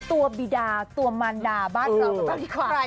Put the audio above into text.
ตัวบีดาตัวมันดาบ้านเราก็ต้องดีกว่า